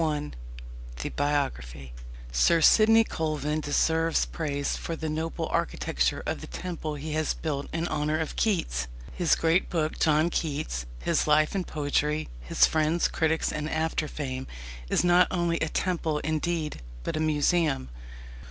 KEATS 1. THE BIOGRAPHY Sir Sidney Colvin deserves praise for the noble architecture of the temple he has built in honour of Keats. His great book, John Keats: His Life and Poetry; His Friends, Critics, and After fame, is not only a temple, indeed, but a museum.